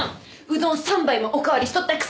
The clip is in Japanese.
うどん３杯もお代わりしとったくせに！